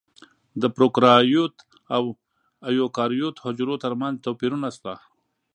د پروکاریوت او ایوکاریوت حجرو ترمنځ توپیرونه شته.